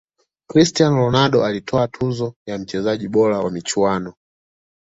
cristiano ronaldo alitwaa tuzo ya mchezaji bora wa michuano